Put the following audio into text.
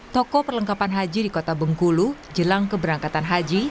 toko perlengkapan haji di kota bengkulu jelang keberangkatan haji